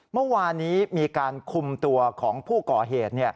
เมื่อวานนี้มีการคุมตัวของผู้ก่อเหตุ